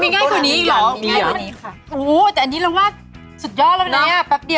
มีง่ายกว่านี้อีกหรอมีอีกกว่านี้อีกค่ะมีอีกกว่านี้อีกค่ะมีอีกกว่านี้อีก